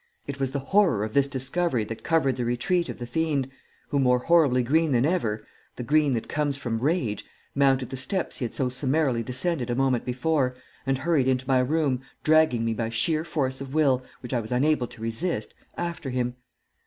It was the horror of this discovery that covered the retreat of the fiend, who, more horribly green than ever the green that comes from rage mounted the steps he had so summarily descended a moment before, and hurried into my room, dragging me by sheer force of will, which I was unable to resist, after him.